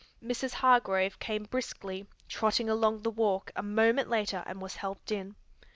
Mrs. Hargrave came briskly trotting along the walk a moment later and was helped in.